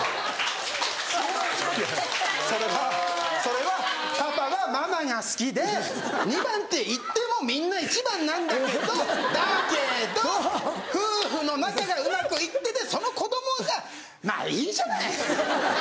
いやそれはそれはパパはママが好きで２番っていってもみんな１番なんだけどだけど夫婦の仲がうまくいっててその子供がまぁいいじゃない！